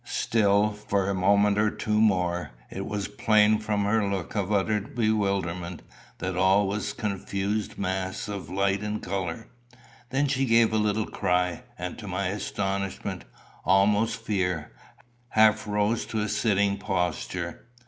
Still for a moment or two more, it was plain from her look of utter bewilderment, that all was a confused mass of light and colour. Then she gave a little cry, and to my astonishment, almost fear, half rose to a sitting posture.